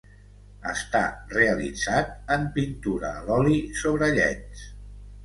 Està realitzat en pintura a l’oli sobre llenç.